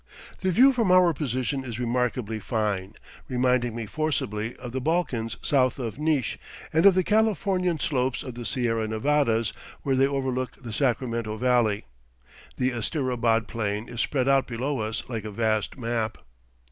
The view from our position is remarkably fine, reminding me forcibly of the Balkans south of Nisch, and of the Californian slopes of the Sierra Nevadas, where they overlook the Sacramento Valley. The Asterabad Plain is spread out below us like a vast map.